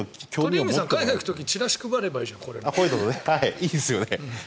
鳥海さん、海外に行く時にチラシを配ればいいじゃない。